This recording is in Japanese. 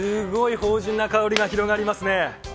芳じゅんな香りが広がりますね。